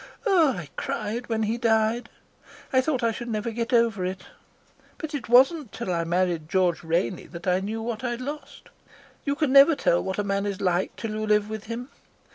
Oh, I cried when he died. I thought I should never get over it. But it wasn't till I married George Rainey that I knew what I'd lost. You can never tell what a man is like till you live with him.